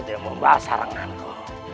tidak membahas haranganku